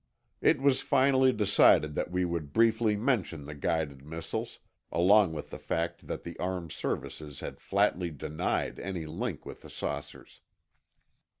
It was finally decided that we would briefly mention the guided missiles, along with the fact that the armed services had flatly denied any link with the saucers.